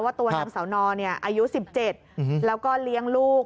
ตัวนางเสานออายุ๑๗แล้วก็เลี้ยงลูก